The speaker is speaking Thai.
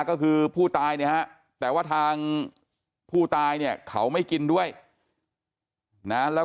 ก็คือผู้ตายเนี่ยฮะแต่ว่าทางผู้ตายเนี่ยเขาไม่กินด้วยนะแล้ว